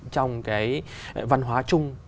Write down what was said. trong văn hóa chung